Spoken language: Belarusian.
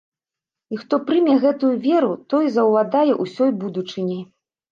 І хто прыме гэтую веру, той заўладае ўсёй будучыняй.